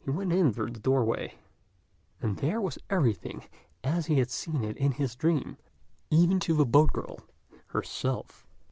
He went in through the doorway, and there was everything as he had seen it in his dream, even to the boat girl herself.